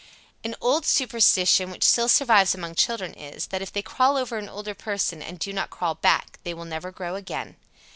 _ 97. An old superstition which still survives among children is, that if they crawl over an older person and do not crawl back they will never grow again.